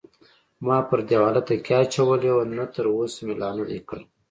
ما پر دېواله تکیه اچولې وه، نه تراوسه مې لا نه دی کړی.